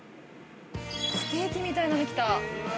ステーキみたいなの出てきた。